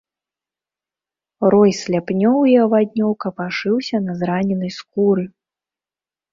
Рой сляпнёў і аваднёў капашыўся на зраненай скуры.